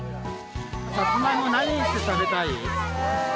さつまいも、何にして食べたい？